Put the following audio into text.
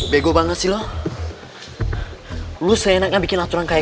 dan juga diterima oleh kamu